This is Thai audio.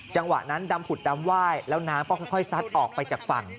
จังหวะนั้นดำผุดดำไหว้แล้วน้ำก็ค่อยซัดออกไปจากฝั่ง